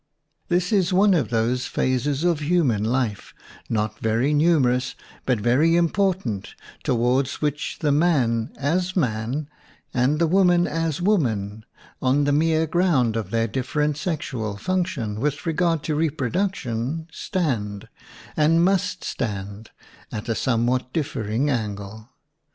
This is one of those phases of human life, not very numerous, but very im portant, toward which the man as man, and the woman as woman, on the mere ground of their different sexual func tion with regard to reproduction, stand, and must stand, at a somewhat differ ing angle.